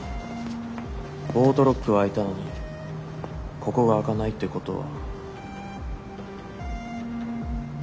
オートロックは開いたのにここが開かないってことは。